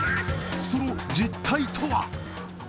その実態とは？